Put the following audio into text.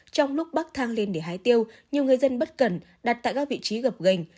trong lúc bắc thang lên để hái tiêu nhiều người dân bất cần đặt tại các vị trí gập gành